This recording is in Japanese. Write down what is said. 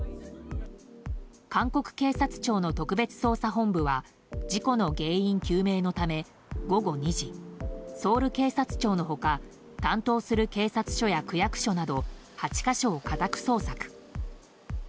韓国警察庁の特別捜査本部は事故の原因究明のため午後２時、ソウル警察庁の他担当する警察署や区役所など８か所を家宅捜索。